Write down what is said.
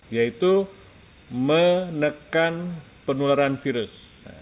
yaitu menekan penularan virus